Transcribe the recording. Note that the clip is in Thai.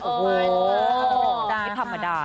โอ้โหไม่ธรรมดา